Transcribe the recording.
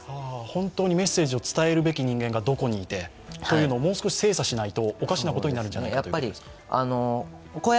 本当にメッセージを伝えるべき人間がどこにいてというのをもう少し精査しないとおかしなことになるんじゃないかという。